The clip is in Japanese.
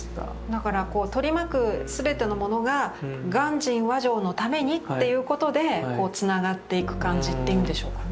だからこう取り巻く全てのものが鑑真和上のためにっていうことでつながっていく感じっていうんでしょうかね。